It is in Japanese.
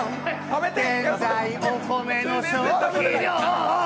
食べて！